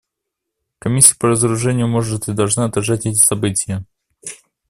Комиссия по разоружению может и должна отражать эти события.